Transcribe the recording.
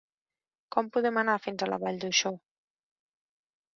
Com podem anar fins a la Vall d'Uixó?